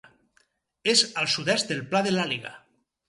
És al sud-est del Pla de l'Àliga.